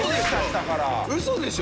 嘘でしょ？